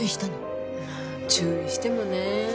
注意してもねぇ。